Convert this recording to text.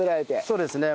そうですね。